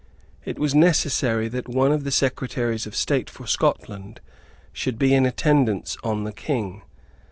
It was necessary that one of the Secretaries of State for Scotland should be in attendance on the King.